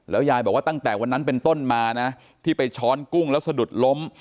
ยายบอกว่าตั้งแต่วันนั้นเป็นต้นมานะที่ไปช้อนกุ้งแล้วสะดุดล้ม